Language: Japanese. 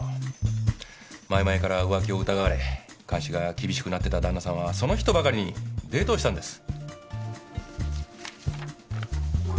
前々から浮気を疑われ監視が厳しくなってた旦那さんはその日とばかりにデートをしたんです。